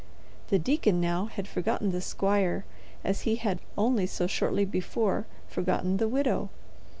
The deacon now had forgotten the squire as he had only so shortly before forgotten the widow.